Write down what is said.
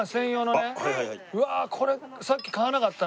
うわこれさっき買わなかったな。